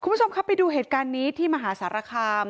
คุณผู้ชมครับไปดูเหตุการณ์นี้ที่มหาสารคาม